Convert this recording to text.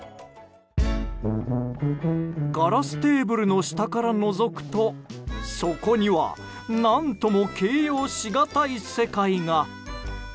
ガラステーブルの下からのぞくとそこには何とも形容しがたい世界が。